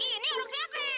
ini orang siapa ya